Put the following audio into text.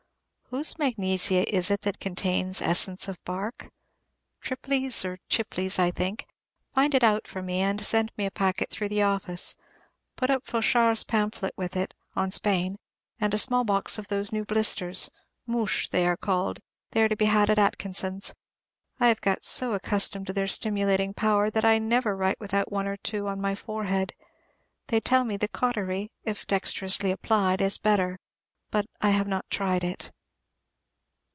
Whose Magnesia is it that contains essence of Bark? Tripley's or Chipley's, I think. Find it out for me, and send me a packet through the office; put up Fauchard's pamphlet with it, on Spain, and a small box of those new blisters, Mouches they are called; they are to be had at Atkinson's. I have got so accustomed to their stimulating power that I never write without one or two on my forehead. They tell me the cautery, if dexterously applied, is better; but I have not tried it.